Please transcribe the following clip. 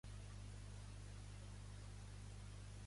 Aquest atac va endarrerir la invasió espanyola d'Anglaterra un any.